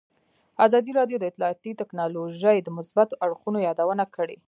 ازادي راډیو د اطلاعاتی تکنالوژي د مثبتو اړخونو یادونه کړې.